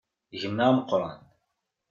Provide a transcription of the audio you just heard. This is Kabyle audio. Gma ameqqran.